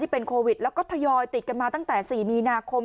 เป็นโควิดแล้วก็ทยอยติดกันมาตั้งแต่๔มีนาคม